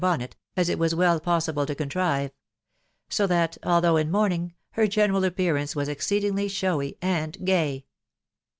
bonnet, as it was well possible to contrive ; so that, although in mourning, her general appearance was exceedingly showy and gay.